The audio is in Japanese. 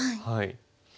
はい。